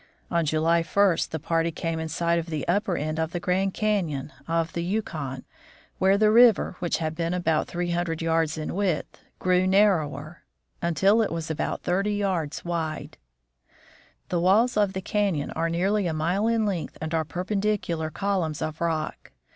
On July i, the party came in sight of the upper end of the Grand Canon of the 98 THE FROZEN NORTH Yukon, where the river, which had been about three hun dred yards in width, grew narrower, until it was about thirty yards wide. The walls of the canon are nearly a mile in length and are perpendicular columns of rock.